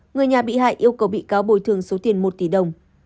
người nhà bị hại yêu cầu bị cáo bồi thường số tiền một tỷ đồng